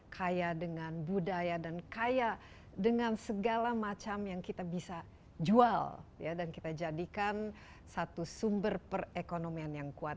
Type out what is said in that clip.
kaya dengan budaya dan kaya dengan segala macam yang kita bisa jual dan kita jadikan satu sumber perekonomian yang kuat